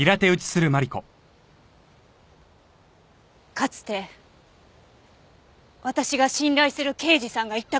かつて私が信頼する刑事さんが言った言葉よ。